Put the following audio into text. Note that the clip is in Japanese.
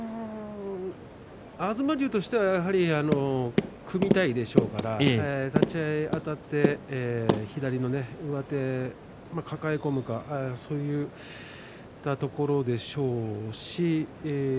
東龍としては、やはり組みたいでしょうから立ち合い、あたって左の上手抱え込むかそういったところでしょうし。